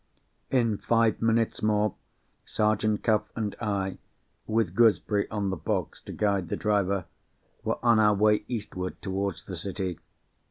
In five minutes more, Sergeant Cuff and I (with Gooseberry on the box to guide the driver) were on our way eastward, towards the City.